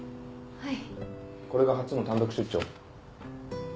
はい